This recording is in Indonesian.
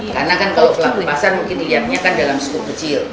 karena kan kalau pelaku pasar mungkin dilihatnya kan dalam skup kecil